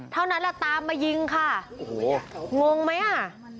เท่านั้นละตามมายิงค่ะงงไหมอ่ะ